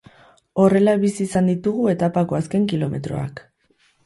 Horrela bizi izan ditugu etapako azken kilometroak.